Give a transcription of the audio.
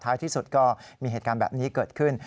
ที่สุดก็มีเหตุการณ์แบบนี้เกิดขึ้น